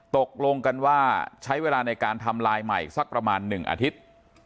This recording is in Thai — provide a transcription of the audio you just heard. ตกลงกันว่าใช้เวลาในการทำลายใหม่สักประมาณ๑อาทิตย์